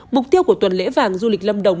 mục tiêu của tuần lễ vàng du lịch lâm đồng